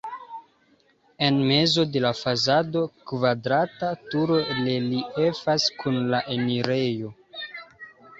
En mezo de la fasado kvadrata turo reliefas kun la enirejo.